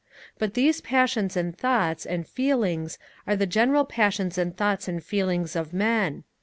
But these passions and thoughts and feelings are the general passions and thoughts and feelings of men.